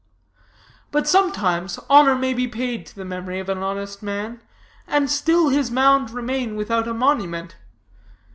"But sometimes honor maybe paid to the memory of an honest man, and still his mound remain without a monument.